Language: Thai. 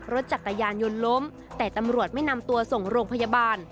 รถจักรยานยนต์ล้มแต่ตำรวจไม่นำตัวส่งโรงพยาบาล